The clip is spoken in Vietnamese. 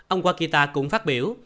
ông wakita cũng phát biểu